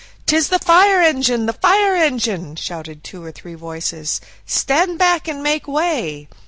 "'Tis the fire engine! the fire engine!" shouted two or three voices, "stand back, make way!"